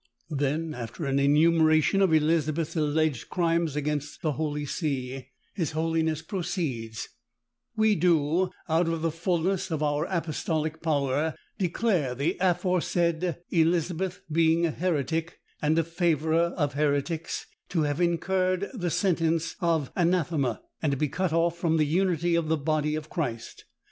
_" Then, after an enumeration of Elizabeth's alleged crimes against the holy see, his holiness proceeds: "We do, out of the fulness of our apostolic power, declare the aforesaid Elizabeth, being a heretic, and a favourer of heretics, to have incurred the sentence of anathema, and to be cut off from the unity of the body of Christ.